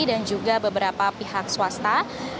juga beberapa pihak swasta